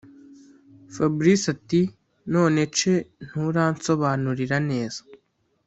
fabric ati”nonece nturansobanurira neza